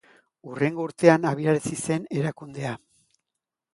Hurrengo urtean abiarazi zen erakundea.